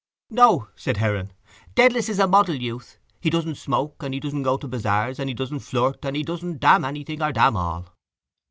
—No, said Heron, Dedalus is a model youth. He doesn't smoke and he doesn't go to bazaars and he doesn't flirt and he doesn't damn anything or damn all.